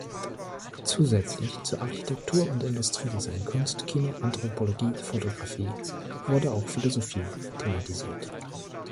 Zusätzlich zu Architektur und Industriedesign, Kunst, Kino, Anthropologie, Fotografie, wurde auch Philosophie thematisiert.